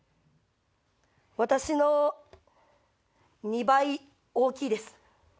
私の２倍大きいです。